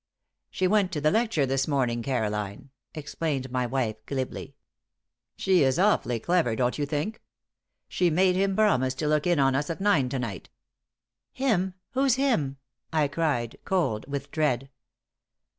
"She went to the lecture this morning, Caroline," explained my wife, glibly. "She is awfully clever, don't you think? She made him promise to look in on us at nine to night." "Him? Who's him?" I cried, cold with dread.